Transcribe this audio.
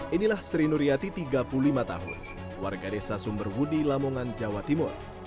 inilah sri nuryati tiga puluh lima tahun warga desa sumberwudi lamongan jawa timur